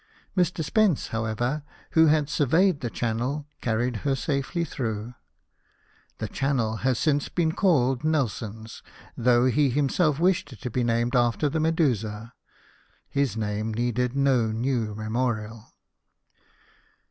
Mr. Spence, however, who had sur veyed the channel, carried her safely through The channel has since been called Nelson's, though he himself wished it to be named after the Medusa — his name needed no new memorial.